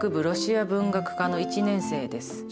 ロシア文学科の１年生です。